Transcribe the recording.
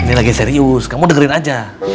ini lagi serius kamu dengerin aja